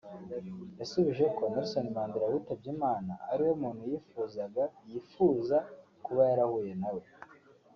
yasubije ko Nelson Mandela witabye Imana ariwe muntu yumva yifuzaga (yifuza) kuba yarahuye nawe